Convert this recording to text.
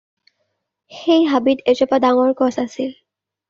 সেই হাবিত এজোপা ডাঙৰ গছ আছিল।